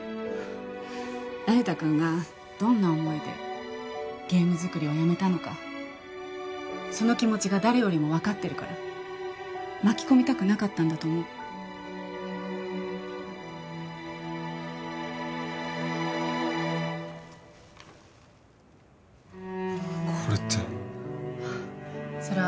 那由他君がどんな思いでゲーム作りをやめたのかその気持ちが誰よりも分かってるから巻き込みたくなかったんだと思うこれってそれ